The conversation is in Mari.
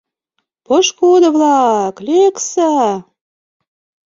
— По-ошкудо-влак, лекса-а!